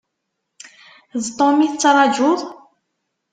D Tom i tettrajuḍ?